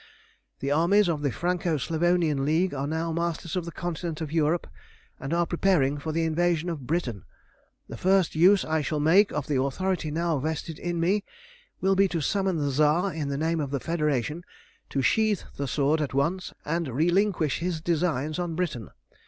The armies of the Franco Slavonian League are now masters of the continent of Europe, and are preparing for the invasion of Britain. The first use that I shall make of the authority now vested in me will be to summon the Tsar in the name of the Federation to sheathe the sword at once, and relinquish his designs on Britain.